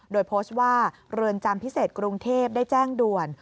โดยโพสต์ว่าเรือนจำพิเศษกรุงเทพได้แจ้งด่วน